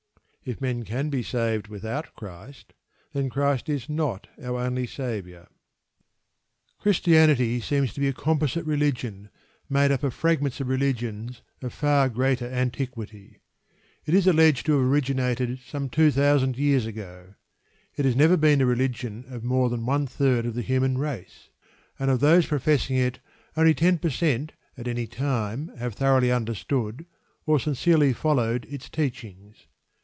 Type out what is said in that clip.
If men can be saved without Christ, then Christ is not our only Saviour. Christianity seems to be a composite religion, made up of fragments of religions of far greater antiquity. It is alleged to have originated some two thousand years ago. It has never been the religion of more than one third of the human race, and of those professing it only ten per cent at any time have thoroughly understood, or sincerely followed, its teachings.